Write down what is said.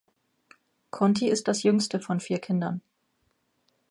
Conti ist das jüngste von vier Kindern.